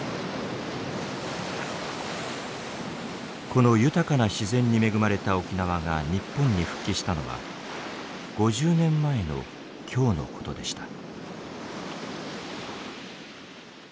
この豊かな自然に恵まれた沖縄が日本に復帰したのは５０年前の今日のことでした。